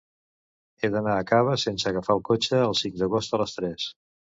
He d'anar a Cava sense agafar el cotxe el cinc d'agost a les tres.